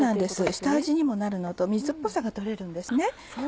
下味にもなるのと水っぽさが取れるんですね。